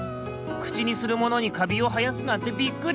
くちにするものにカビをはやすなんてびっくり！